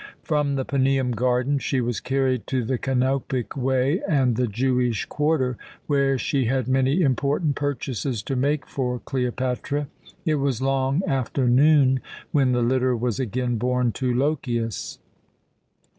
From the Paneum garden she was carried to the Kanopic Way and the Jewish quarter, where she had many important purchases to make for Cleopatra. It was long after noon when the litter was again borne to Lochias.